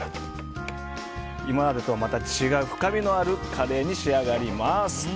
今までとはまた違う深みのあるカレーに仕上がります。